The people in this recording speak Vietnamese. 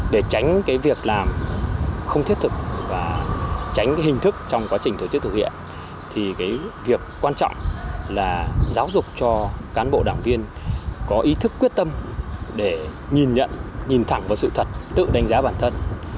để tránh cái việc làm không thiết thực và tránh hình thức trong quá trình tổ chức thực hiện thì cái việc quan trọng là giáo dục cho cán bộ đảng viên có ý thức quyết tâm để nhìn nhận nhìn thẳng vào sự thật tự đánh giá bản thân